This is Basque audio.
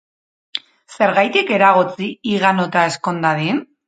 Zergatik eragotzi higanota ezkon dadin?